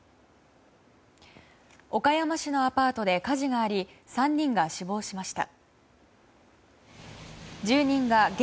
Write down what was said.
岡山市のアパートで火事があり３人が死亡しました。